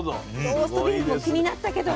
ローストビーフも気になったけど。